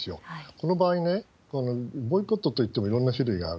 この場合、ボイコットといってもいろんな種類がある。